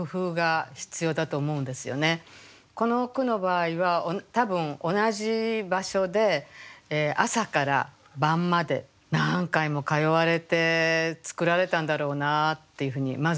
この句の場合は多分同じ場所で朝から晩まで何回も通われて作られたんだろうなっていうふうにまず思いましたね。